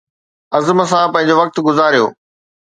عزم سان پنهنجو وقت گذاريو